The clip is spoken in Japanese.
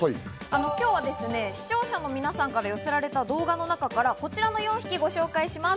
今日は視聴者の皆さんから寄せられた動画の中からこちらの４匹をご紹介します。